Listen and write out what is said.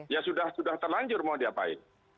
ya sudah terlanjur mau diapain